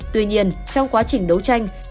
tuy nhiên trong quá trình đấu tranh